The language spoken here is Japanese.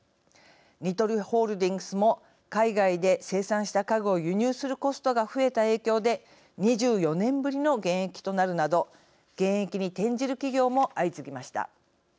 ニトリホールディングスも海外で生産した家具を輸入するコストが増えた影響で２４年ぶりの減益となるなど減益に転じる企業も相次ぎました。